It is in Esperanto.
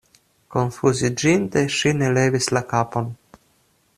Konfuziĝinte, ŝi ne levis la kapon.